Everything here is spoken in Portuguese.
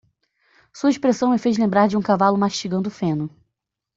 Sua expressão me fez lembrar de um cavalo mastigando feno.